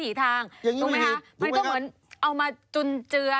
ไม่ผิดอย่างนี้ไม่ผิดถูกไหมครับมันก็เหมือนเอามาจุนเจือ